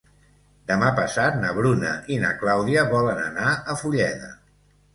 Demà passat na Bruna i na Clàudia volen anar a Fulleda.